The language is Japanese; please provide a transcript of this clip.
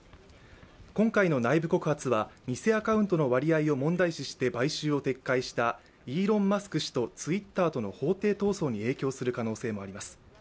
今回の内部告発は偽アカウントの割合を問題視して買収を撤回したイローン・マスク氏とツイッターとの法廷闘争に影響する可能性もあります。